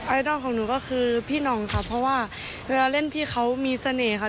ไอดอลของหนูก็คือพี่หน่องค่ะเพราะว่าเวลาเล่นพี่เขามีเสน่ห์ค่ะ